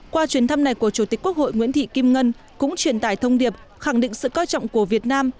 qua chuyến thăm này của chủ tịch quốc hội nguyễn thị kim ngân cũng truyền tải thông điệp khẳng định sự coi trọng của việt nam